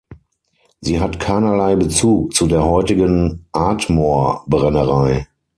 Sie hat keinerlei Bezug zu der heutigen "Ardmore"-Brennerei.